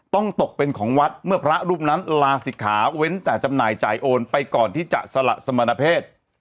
ตกเป็นของวัดเมื่อพระรูปนั้นลาศิกขาเว้นแต่จำหน่ายจ่ายโอนไปก่อนที่จะสละสมณเพศ